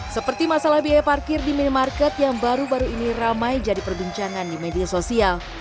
seperti masalah biaya parkir di minimarket yang baru baru ini ramai jadi perbincangan di media sosial